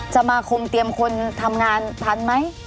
สมาคมเตรียมคนทำงานทันไหม